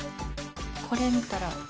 これ見たら。